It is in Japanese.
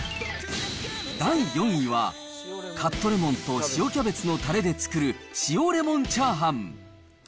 第４位は、カットレモンと塩キャベツのたれで作る塩レモンチャーハン。